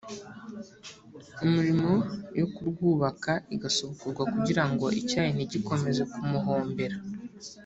imirmo yo kurwubaka igasubukurwa kugira ngo icyayi ntigikomeze kumuhombera